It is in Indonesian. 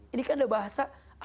ini kan ada bahasa